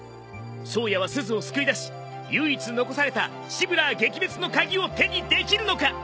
颯也はすずを救い出し唯一残されたシブラー撃滅の鍵を手にできるのか？